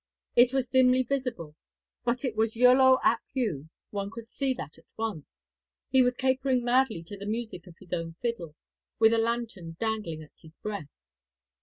It was dimly visible; but it was Iolo ap Hugh, one could see that at once. He was capering madly to the music of his own fiddle, with a lantern dangling at his breast.